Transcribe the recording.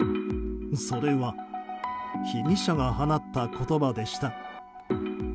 それは被疑者が放った言葉でした。